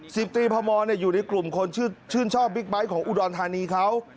สิบตรีพมอยู่ในกลุ่มคนชื่นชอบบิ๊กไบท์ของอุดรธานีเขา